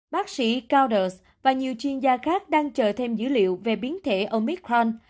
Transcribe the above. bác sĩ gouders và nhiều chuyên gia khác đang chờ thêm dữ liệu về biến thể omicron